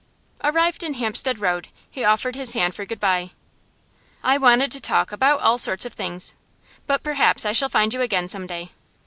Arrived in Hampstead Road he offered his hand for good bye. 'I wanted to talk about all sorts of things. But perhaps I shall find you again some day.